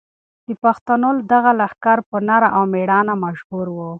د پښتنو دغه لښکر په نره او مېړانه مشهور و.